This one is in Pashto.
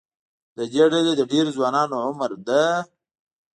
له دې ډلې د ډېرو ځوانانو عمر د